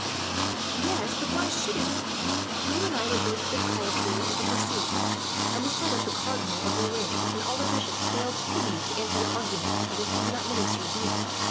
"Yes, but why should it be? You and I were both at the colloquy at Poissy, and we saw that the Cardinal of Lorraine, and all the bishops, failed totally to answer the arguments of the Huguenot minister Beza.